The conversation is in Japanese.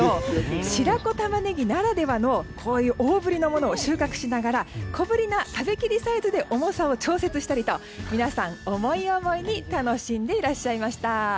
白子タマネギならではのこういう大ぶりのものを収穫しながら小ぶりな食べきりサイズで重さを調節したりと皆さん、思い思いに楽しんでいらっしゃいました。